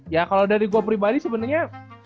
ya kalau dari gue pribadi sebenarnya